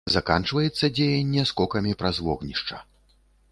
Заканчваецца дзеянне скокамі праз вогнішча.